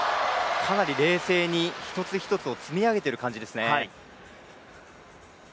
かなり冷静に、一つ一つを積み上げている感じですね。